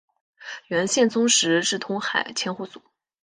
元宪宗时置通海千户所。